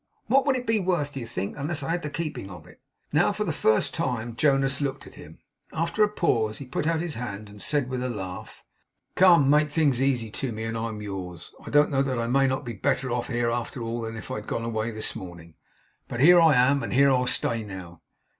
'What would it be worth, do you think, unless I had the keeping of it?' Now, for the first time, Jonas looked at him. After a pause, he put out his hand, and said, with a laugh: 'Come! make things easy to me, and I'm yours. I don't know that I may not be better off here, after all, than if I had gone away this morning. But here I am, and here I'll stay now.